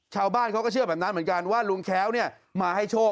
ชาวบ้านเขาก็เชื่อแบบนั้นเหมือนกันว่าลุงแค้วเนี่ยมาให้โชค